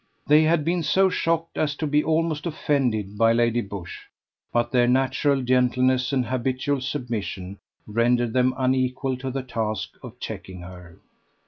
They had been so shocked as to be almost offended by Lady Busshe, but their natural gentleness and habitual submission rendered them unequal to the task of checking her.